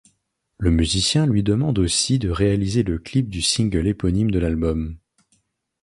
Le musicien lui demande aussi de réaliser le clip du single éponyme de l'album.